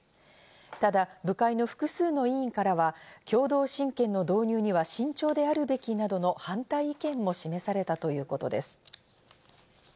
ただ部会の複数の委員からは共同親権の導入には慎重であるべきなどの反対意見も示されたということです。